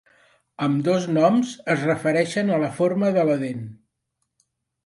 Ambdós noms es refereixen a la forma de la dent.